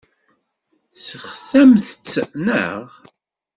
Tesseɣtamt-tt, naɣ?